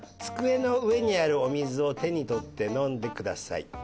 机の上にあるお水を手に取って飲んでください。